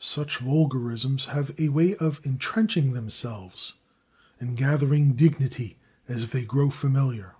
Such vulgarisms have a way of intrenching themselves, and gathering dignity as they grow familiar.